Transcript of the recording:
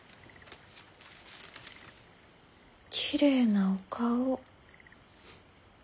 きれいなお顔。